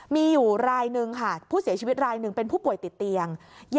มีอยู่รายหนึ่งค่ะผู้เสียชีวิตรายหนึ่งเป็นผู้ป่วยติดเตียง